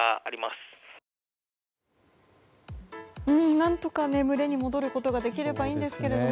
何とか群れに戻ることができればいいんですけどね。